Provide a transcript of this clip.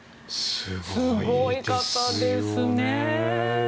すごいですよね。